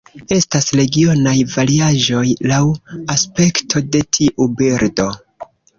Estas regionaj variaĵoj laŭ aspekto de tiu birdo.